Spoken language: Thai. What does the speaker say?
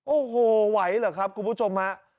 โอ้โหไหวเหรอครับคุณผู้ชมฮะ